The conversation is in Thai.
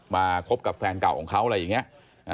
คบกับแฟนเก่าของเขาอะไรอย่างนี้